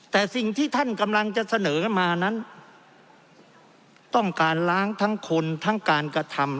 แต่สิ่งที่ท่านกำลังจะเสนอกันมานั้นต้องการล้างทั้งคนทั้งการกระทำ